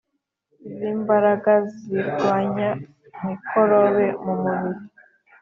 Zimbaraga zirwanya mikorobe mumubiri